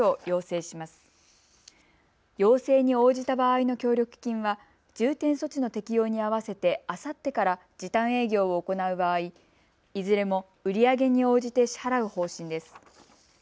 要請に応じた場合の協力金は重点措置の適用に合わせてあさってから時短営業を行う場合、いずれも売り上げに応じて支払う方針です。